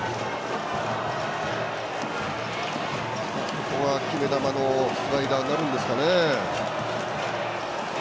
ここは決め球のスライダーになるんでしょうかね。